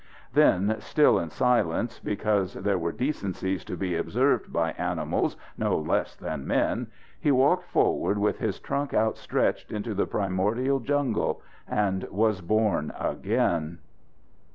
Then, still in silence, because there are decencies to be observed by animals no less than men, he walked forward with his trunk outstretched into the primordial jungle and was born again.